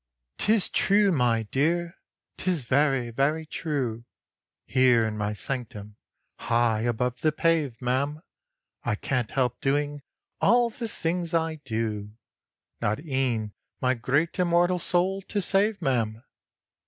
"'Tis true my dear. 'Tis very, very true. Here in my sanctum, high above the pave, ma'am, I can't help doing all the things I do, Not e'en my great immortal soul to save, ma'am.